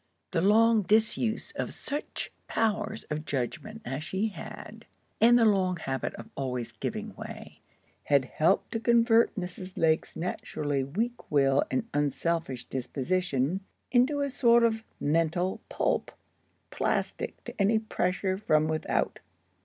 The long disuse of such powers of judgment as she had, and long habit of always giving way, had helped to convert Mrs. Lake's naturally weak will and unselfish disposition into a sort of mental pulp, plastic to any pressure from without.